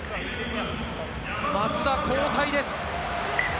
松田が交代です。